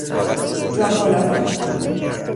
جا کلاهی